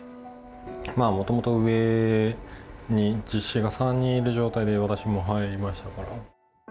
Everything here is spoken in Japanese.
もともと、上に実子が３人いる状態で私も入りましたから。